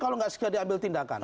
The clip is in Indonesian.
kalau tidak segera diambil tindakan